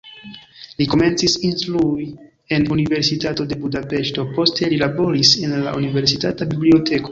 Li komencis instrui en Universitato de Budapeŝto, poste li laboris en la universitata biblioteko.